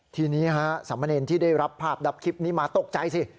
ทีนี้ฮะสามเณรที่ได้รับภาพดับคลิปนี้มาตกใจสิ